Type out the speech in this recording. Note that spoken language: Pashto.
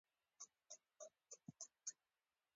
دوښمن مه پرېږدئ، چي ستاسي په کورنۍ مسائلو کښي کار ولري.